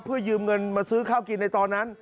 เพื่อยืมเงินมาซื้อข้าวกินในตอนนั้น